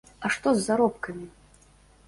А што з заробкамі?